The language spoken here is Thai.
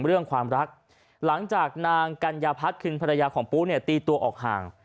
เรื่องความรักหลังจากนางกัญญาพัฒน์คือภรรยาของปุ๊เนี่ยตีตัวออกห่าง